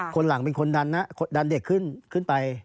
คนหลังเป็นคนดันนะดันเด็กขึ้นไป